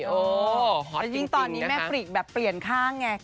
โอ้โหฮอตจริงนะคะ